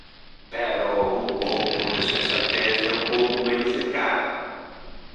¡Pero, un pouco de sensatez e un pouco menos de cara!